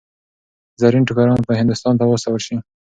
زرین ټوکران به هندوستان ته واستول شي.